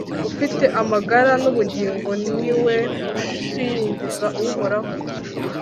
Ufite amagara n’ubugingo ni we usingiza Uhoraho